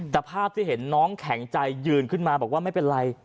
แต่ภาพที่เห็นน้องแข็งใจยืนขึ้นมาบอกว่าไม่เป็นไร